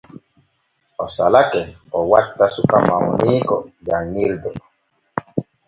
O salake o watta suka mawniiko janŋirde.